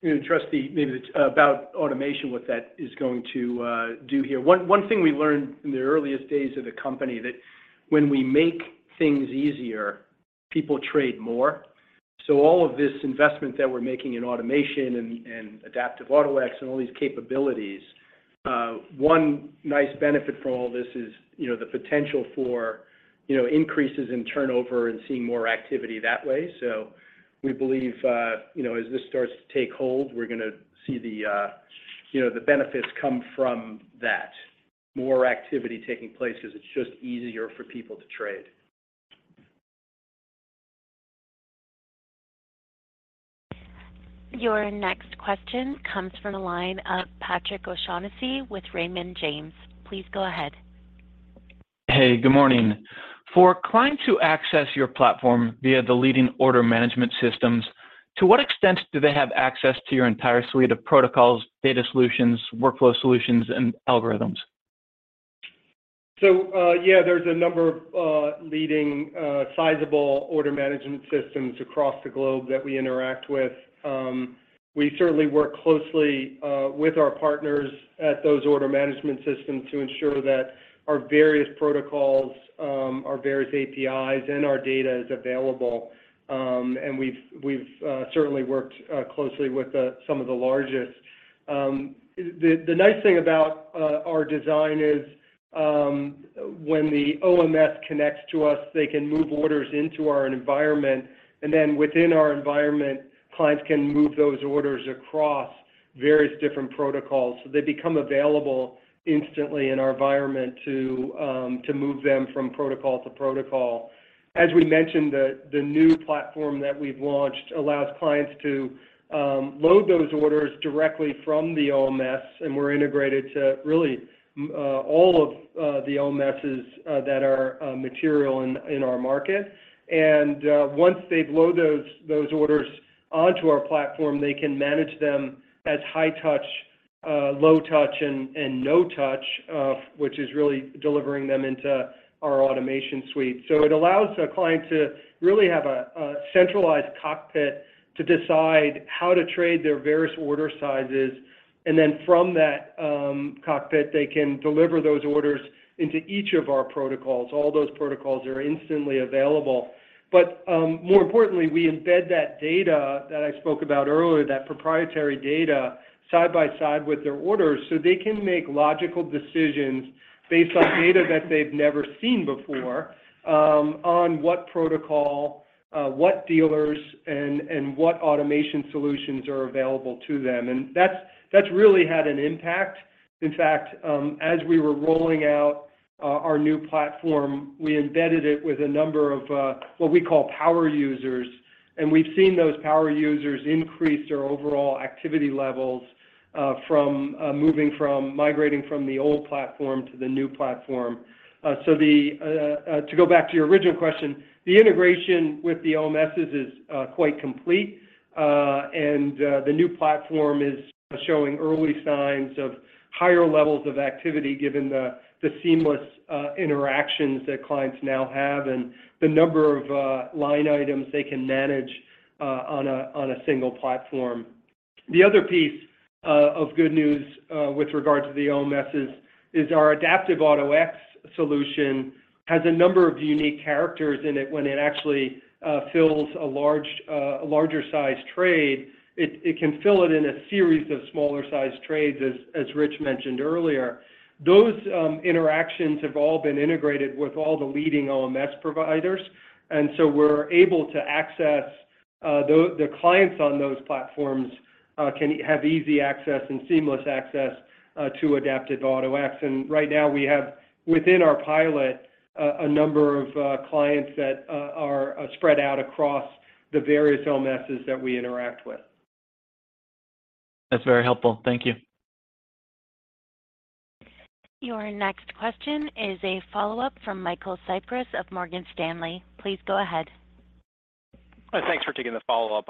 Truth is, maybe it's about automation, what that is going to do here. One thing we learned in the earliest days of the company that when we make things easier, people trade more. All of this investment that we're making in automation and Adaptive Auto-X and all these capabilities, one nice benefit from all this is, you know, the potential for, you know, increases in turnover and seeing more activity that way. We believe, you know, as this starts to take hold, we're going to see the, you know, the benefits come from that. More activity taking place because it's just easier for people to trade. Your next question comes from the line of Patrick O'Shaughnessy with Raymond James. Please go ahead. Hey, good morning. For a client to access your platform via the leading order management systems, to what extent do they have access to your entire suite of protocols, data solutions, workflow solutions, and algorithms? Yeah, there's a number of leading, sizable order management systems across the globe that we interact with. We certainly work closely with our partners at those order management systems to ensure that our various protocols, our various APIs, and our data is available. We've, we've certainly worked closely with some of the largest. The nice thing about our design is when the OMS connects to us, they can move orders into our environment, and then within our environment, clients can move those orders across various different protocols. They become available instantly in our environment to move them from protocol to protocol. As we mentioned, the new platform that we've launched allows clients to load those orders directly from the OMS, and we're integrated to really all of the OMSs that are material in our market. Once they've loaded those orders onto our platform, they can manage them as high touch, low touch, and no touch, which is really delivering them into our automation suite. It allows the client to really have a centralized cockpit to decide how to trade their various order sizes, and then from that cockpit, they can deliver those orders into each of our protocols. All those protocols are instantly available. More importantly, we embed that data that I spoke about earlier, that proprietary data, side by side with their orders, so they can make logical decisions based on data that they've never seen before, on what protocol, what dealers, and what automation solutions are available to them. That's really had an impact. In fact, as we were rolling out our new platform, we embedded it with a number of what we call power users, and we've seen those power users increase their overall activity levels, from migrating from the old platform to the new platform. The to go back to your original question, the integration with the OMS's is quite complete, and the new platform is showing early signs of higher levels of activity, given the seamless interactions that clients now have and the number of line items they can manage on a single platform. The other piece of good news with regard to the OMS's is our Adaptive Auto-X solution has a number of unique characters in it when it actually fills a larger-sized trade. It can fill it in a series of smaller-sized trades, as Rich mentioned earlier. Those interactions have all been integrated with all the leading OMS providers. We're able to access the clients on those platforms can have easy access and seamless access to Adaptive Auto-X. Right now, we have, within our pilot, a number of clients that are spread out across the various OMS's that we interact with. That's very helpful. Thank you. Your next question is a follow-up from Michael Cyprys of Morgan Stanley. Please go ahead. Thanks for taking the follow-up.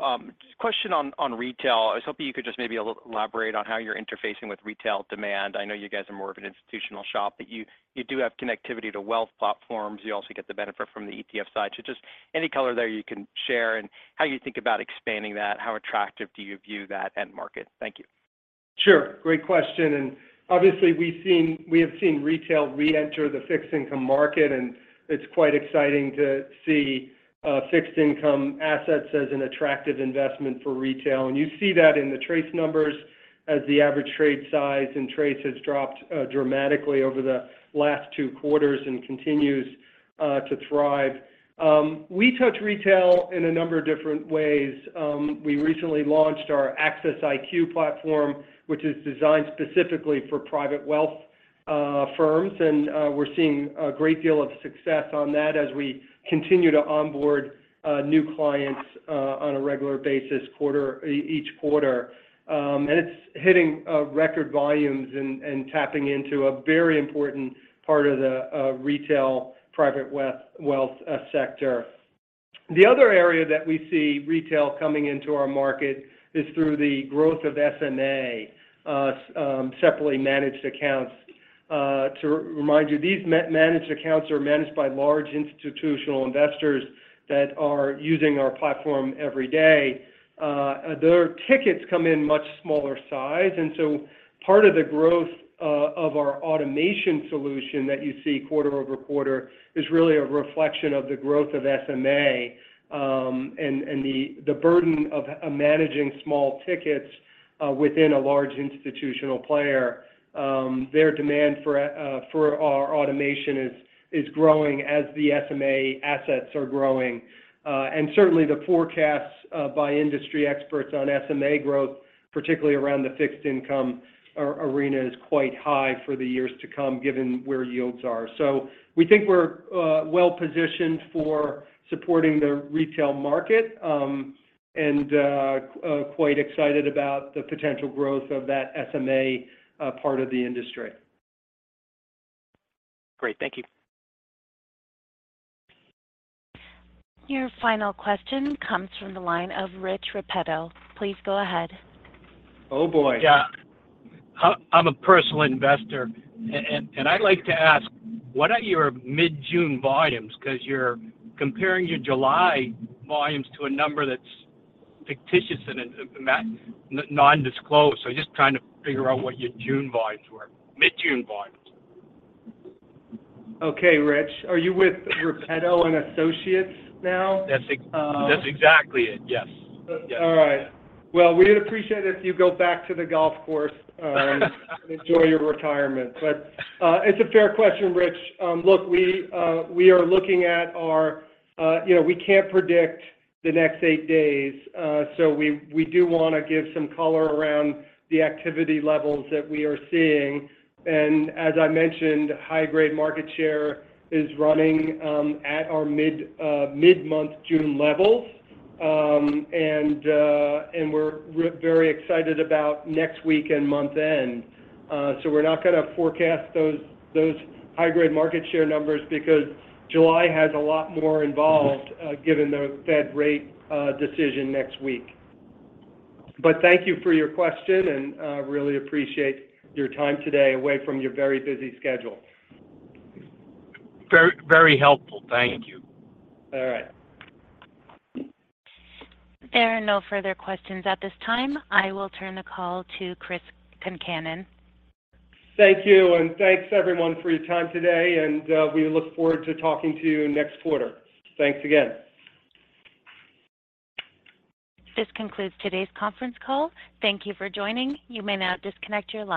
Question on retail. I was hoping you could just maybe elaborate on how you're interfacing with retail demand. I know you guys are more of an institutional shop, but you do have connectivity to wealth platforms. You also get the benefit from the ETF side. Just any color there you can share, and how you think about expanding that, how attractive do you view that end market? Thank you. Sure. Great question. Obviously, we have seen retail reenter the fixed income market. It's quite exciting to see fixed income assets as an attractive investment for retail. You see that in the TRACE numbers as the average trade size and TRACE has dropped dramatically over the last 2 quarters and continues to thrive. We touch retail in a number of different ways. We recently launched our AccessIQ platform, which is designed specifically for private wealth firms. We're seeing a great deal of success on that as we continue to onboard new clients on a regular basis, each quarter. It's hitting record volumes and tapping into a very important part of the retail private wealth sector. The other area that we see retail coming into our market is through the growth of SMA, separately managed accounts. To remind you, these managed accounts are managed by large institutional investors that are using our platform every day. Their tickets come in much smaller size, part of the growth of our automation solution that you see quarter-over-quarter is really a reflection of the growth of SMA, and the burden of managing small tickets within a large institutional player. Their demand for our automation is growing as the SMA assets are growing. Certainly, the forecasts by industry experts on SMA growth, particularly around the fixed income arena, is quite high for the years to come, given where yields are. We think we're well-positioned for supporting the retail market, and quite excited about the potential growth of that SMA part of the industry. Great. Thank you. Your final question comes from the line of Rich Repetto. Please go ahead. Oh, boy! Yeah. I'm a personal investor, and I'd like to ask, what are your mid-June volumes? Because you're comparing your July volumes to a number that's fictitious and non-disclosed. Just trying to figure out what your June volumes were, mid-June volumes. Okay, Rich, are you with Repetto and Associates now? That's. Um- That's exactly it, yes. All right. Well, we'd appreciate it if you go back to the golf course and enjoy your retirement. It's a fair question, Rich. You know, we can't predict the next eight days, we do wanna give some color around the activity levels that we are seeing. As I mentioned, high-grade market share is running at our mid-month June levels. We're very excited about next week and month end. We're not gonna forecast those high-grade market share numbers because July has a lot more involved given the Fed rate decision next week. Thank you for your question, really appreciate your time today away from your very busy schedule. Very helpful. Thank you. All right. There are no further questions at this time. I will turn the call to Chris Concannon. Thank you. Thanks, everyone, for your time today, and we look forward to talking to you next quarter. Thanks again. This concludes today's conference call. Thank you for joining. You may now disconnect your line.